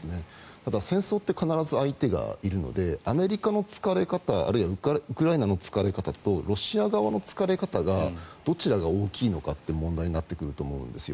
ただ、戦争って必ず相手がいるのでアメリカの疲れ方あるいはウクライナの疲れ方とロシア側の疲れ方がどちらが大きいのかという問題になってくると思うんですよ。